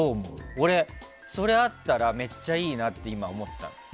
俺、それがあったらめっちゃいいなって今、思った。